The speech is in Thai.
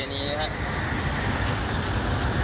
อือนนี้ค่ะ